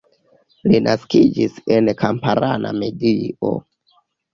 Li naskiĝis en kamparana medio.